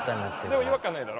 でも違和感ないだろ？